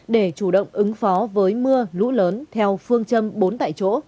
để chủ động ứng phó với mưa lũ lớn theo phương châm bốn tại chỗ